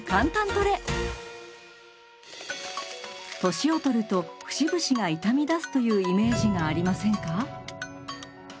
年を取ると節々が痛みだすというイメージがありませんか？